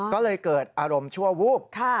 ก็เลยเกิดอารมณ์ชั่ววูบ